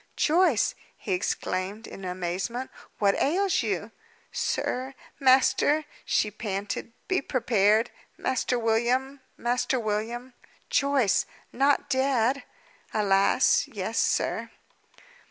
"Joyce," he exclaimed, in amazement, "what ails you?" "Sir! master!" she panted; "be prepared. Master William Master William " "Joyce! Not dead!" "Alas, yes, sir!"